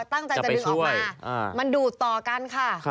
ตั้งใจจะดึงออกมามันดูดต่อกันค่ะ